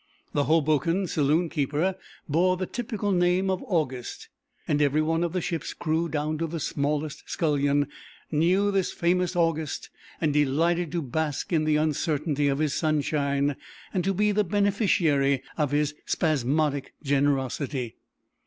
The Hoboken saloon keeper bore the typical name of August, and every one of the ship's crew down to the smallest scullion, knew this famous August and delighted to bask in the uncertainty of his sunshine and to be the beneficiary of his spasmodic generosity.